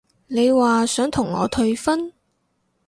你話想同我退婚？